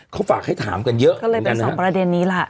เขาฝากให้ถามกันเยอะเหมือนกันนะเขาเลยเป็นสองประเด็นนี้ล่ะ